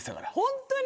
ホントに？